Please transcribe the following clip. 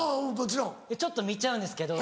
ちょっと見ちゃうんですけど。